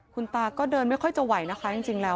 คุณตาก็เดินไม่ค่อยจะไหวนะคะ